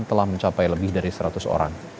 telah mencapai lebih dari seratus orang